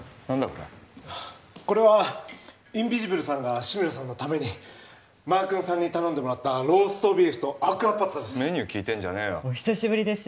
これこれはインビジブルさんが志村さんのためにマー君さんに頼んでもらったローストビーフとアクアパッツァですメニュー聞いてんじゃねえよお久しぶりです